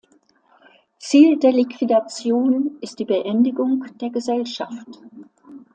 Ziel der Liquidation ist die Beendigung der Gesellschaft.